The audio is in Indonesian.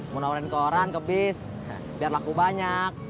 mau nambahin koran ke bis biar laku banyak